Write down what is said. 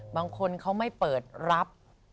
บางคนเขาไม่เปิดรับ